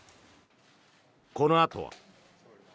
このあとは。